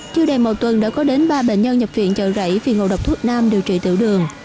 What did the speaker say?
chưa đầy một tuần đã có đến ba bệnh nhân nhập viện trợ rẫy vì ngộ độc thuốc nam điều trị tiểu đường